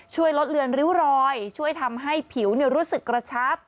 ช่วยลดเลือนริ้วรอยช่วยทำให้ผิวรู้สึกกระชับ